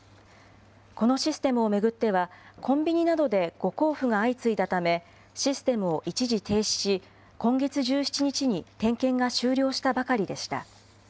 このシステムを巡っては、コンビニなどで誤交付が相次いだため、システムを一時停止し、今月１７日に点検が終了したばかりでした。